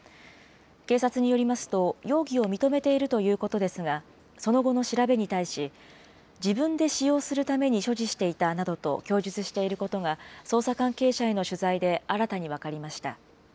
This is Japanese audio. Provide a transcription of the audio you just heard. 警察によりますと、容疑を認めているということですが、その後の調べに対し、自分で使用するために所持していたなどと供述していることが、捜査関係者への取材で新たに分かりました。